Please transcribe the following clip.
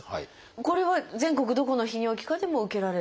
これは全国どこの泌尿器科でも受けられる？